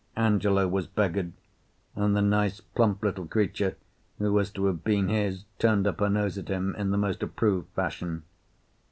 Angelo was beggared, and the nice plump little creature who was to have been his turned up her nose at him in the most approved fashion.